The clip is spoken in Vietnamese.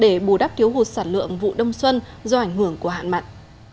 để bù đắp thiếu hụt sản lượng vụ đông xuân do ảnh hưởng của hạn mặn